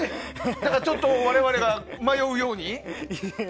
ちょっと我々が迷うように。